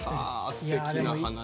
すてきな話。